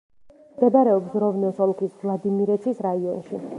მდებარეობს როვნოს ოლქის ვლადიმირეცის რაიონში.